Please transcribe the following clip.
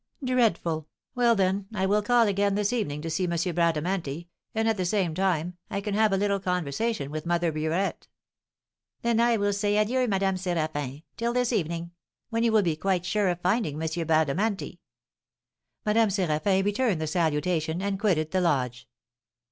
Dreadful! Well, then, I will call again this evening to see M. Bradamanti, and, at the same time, I can have a little conversation with Mother Burette." "Then I will say adieu, Madame Séraphin, till this evening, when you will be quite sure of finding M. Bradamanti." Madame Séraphin returned the salutation, and quitted the lodge.